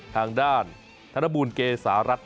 ทางด้านธนบูลเกษารัฐ